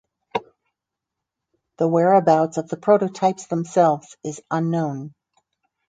The whereabouts of the prototypes themselves is unknown.